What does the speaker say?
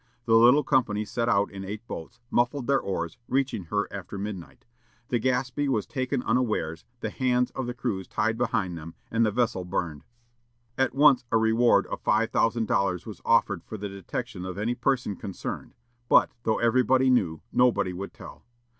The little company set out in eight boats, muffling their oars, reaching her after midnight. The Gaspee was taken unawares, the hands of the crew tied behind them, and the vessel burned. At once a reward of five thousand dollars was offered for the detection of any person concerned; but, though everybody knew, nobody would tell.